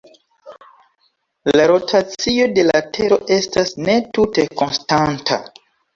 La rotacio de la Tero estas ne tute konstanta.